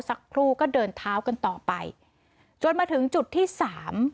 สักครู่ก็เดินเท้ากันต่อไปจนมาถึงจุดที่สาม